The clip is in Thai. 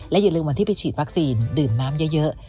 อย่าลืมวันที่ไปฉีดวัคซีนดื่มน้ำเยอะ